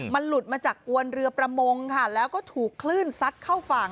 มันหลุดมาจากอวนเรือประมงค่ะแล้วก็ถูกคลื่นซัดเข้าฝั่ง